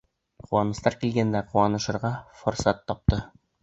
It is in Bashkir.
Ҡыуаныстар килгәндә, ҡыуанышырға форсат тапты.